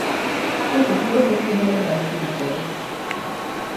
V tomto směru potřebujeme další vývoj.